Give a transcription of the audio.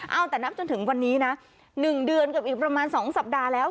เอาแต่นับจนถึงวันนี้นะ๑เดือนกับอีกประมาณ๒สัปดาห์แล้ว